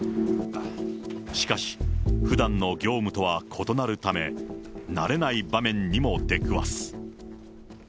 しかし、ふだんの業務とは異なるため、慣れない場面にも出くわす。